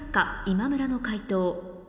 今村の解答